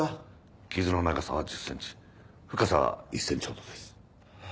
傷の長さは１０センチ深さは１センチほどです。